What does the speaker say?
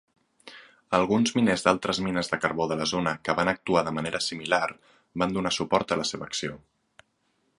Alguns miners d'altres mines de carbó de la zona, que van actuar de manera similar, van donar suport a la seva acció.